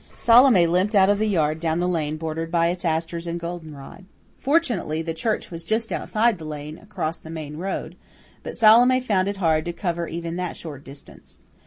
Salome limped out of the yard and down the lane bordered by its asters and goldenrod. Fortunately the church was just outside the lane, across the main road; but Salome found it hard to cover even that short distance.